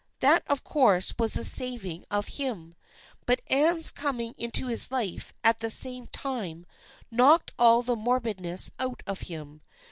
That of course was the saving of him, but Anne's coming into his life at the same time knocked all the morbidness out of him.